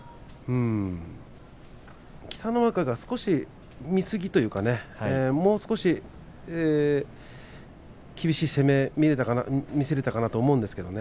北の若が少し見すぎというかもう少し厳しい攻めを見せられたかなと思います。